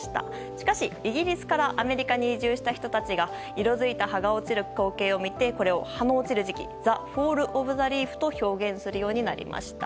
しかし、イギリスからアメリカに移住した人たちが色づいた葉が落ちる光景を見てこれを葉の落ちる時期ザ・フォール・オブ・ザ・リーフと表現するようになりました。